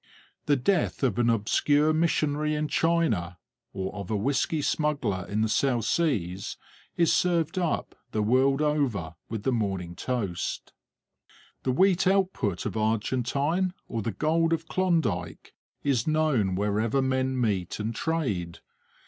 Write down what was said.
The death of an obscure missionary in China, or of a whisky smuggler in the South Seas, is served up, the world over, with the morning toast. The wheat output of Argentine or the gold of Klondike is known wherever men meet and trade.